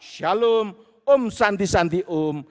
shalom om santi santi om